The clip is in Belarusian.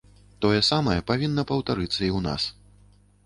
Тое самае павінна паўтарыцца і ў нас.